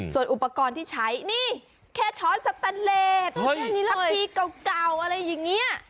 ส่วนอุปกรณ์ที่ใช้นี่แค่ช้อนสตานเลทสัตว์เพลีกล่าวอะไรอย่างเงี้ย